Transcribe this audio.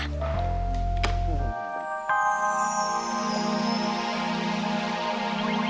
dimana kalau mu dan jahit trees pindain